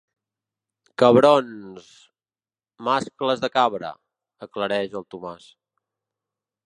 Cabrons..., mascles de cabra –aclareix el Tomàs.